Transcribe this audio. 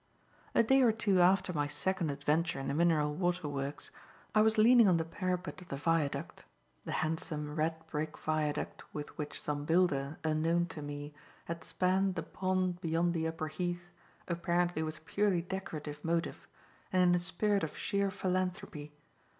A day or two after my second adventure in the mineral water works, I was leaning on the parapet of the viaduct the handsome, red brick viaduct with which some builder, unknown to me, had spanned the pond beyond the Upper Heath, apparently with purely decorative motive, and in a spirit of sheer philanthropy.